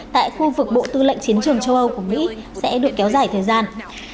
tại khu vực bộ tư lệnh chiến trường châu âu của mỹ sẽ được kéo dài thời gian